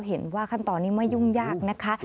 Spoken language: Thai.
เห็นว่าขั้นตอนนี้ไม่ยุ่งยากนะคะ